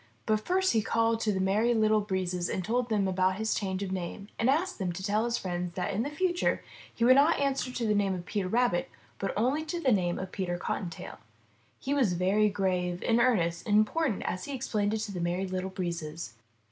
But first he called to the Merry Little Breezes and told them about his change of name and asked them to tell all his friends that in the future he would not answer to the name of Peter Rabbit, but only to the name of Peter Cottontail. He was very grave, and earnest, and important as he explained it to the Merry Little Breezes.